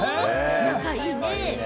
仲いいね。